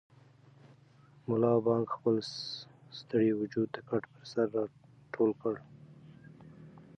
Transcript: ملا بانګ خپل ستړی وجود د کټ پر سر راټول کړ.